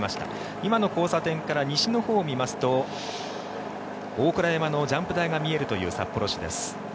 今の交差点から西のほうを見ますと大倉山のジャンプ台が見えるという札幌市です。